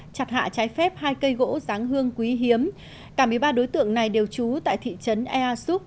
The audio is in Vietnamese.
chặt hạ trái phép hai cây gỗ giáng hương quý hiếm cả một mươi ba đối tượng này đều trú tại thị trấn ea súp